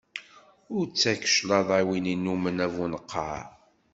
Ur ttak cclaḍa i win innumen abuneqqaṛ.